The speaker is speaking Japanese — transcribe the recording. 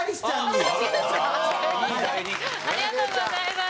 おめでとうございます。